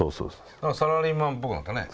サラリーマンっぽくなったね。